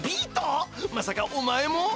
まさかお前も？